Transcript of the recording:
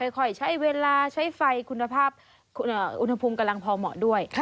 ค่อยใช้เวลาใช้ไฟคุณภาพอุณหภูมิกำลังพอเหมาะด้วย